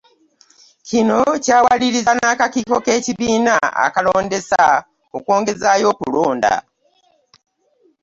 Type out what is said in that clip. Kino, ekyawaliriza n'akakiiko k'ekibiina akalondesa okwongezaayo okulonda.